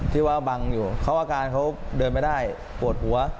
ที่ว่าบังอยู่เขาอาการเขาเดินไม่ได้ปวดหัว